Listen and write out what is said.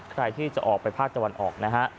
ใครที่จะออกไปภาคตะวันออกนะฮะ